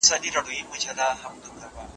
چي جومات یې